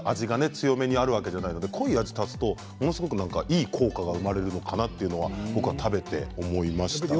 強めにあるわけじゃないので濃い味足すとものすごくなんかいい効果が生まれるのかなというのは僕は食べて思いましたね。